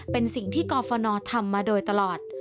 เป็นสิ่งที่กรฟนทำมาโดยตลอด